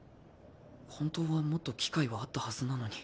本当はもっと機会はあったはずなのに。